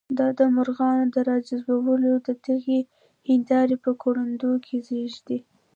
دا د مرغانو د راجذبولو لپاره دي، دغه هندارې په کروندو کې ږدي.